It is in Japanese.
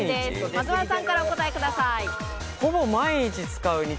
松丸さんからお答えください。